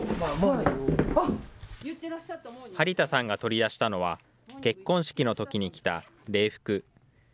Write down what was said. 幡田さんが取り出したのは、結婚式のときに着た礼服。